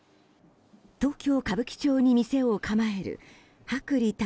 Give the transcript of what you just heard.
東京・歌舞伎町に店を構える薄利